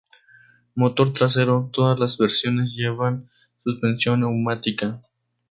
Motor trasero: todas las versiones llevan suspensión neumática.